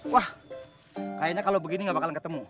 wah kayanya kalau begini ga bakalan ketemu